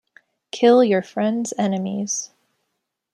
Kill your friends' enemies.